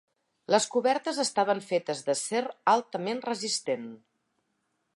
Les cobertes estaven fetes d'acer altament resistent.